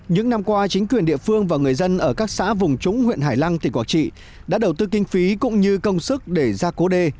những năm qua chính quyền địa phương và người dân ở các xã vùng trúng huyện hải lăng tỉnh quảng trị đã đầu tư kinh phí cũng như công sức để ra cố đê